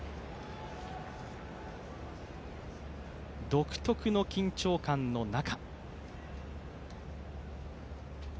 独特の緊張感の中。